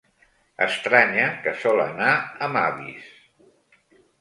Estranya que sol anar amb avis.